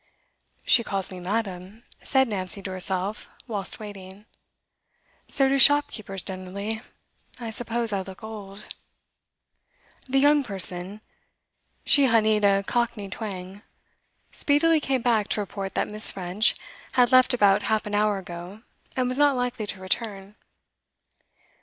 'She calls me "madam,"' said Nancy to herself whilst waiting. 'So do shopkeepers generally. I suppose I look old.' The young person (she honeyed a Cockney twang) speedily came back to report that Miss. French had left about half an hour ago, and was not likely to return.